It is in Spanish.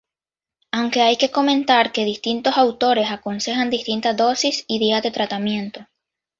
Aunque hay que comentar que distintos autores aconsejan distintas dosis y días de tratamiento.